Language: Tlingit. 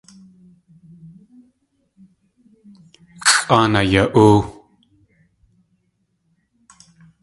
Xʼáan aya.óo.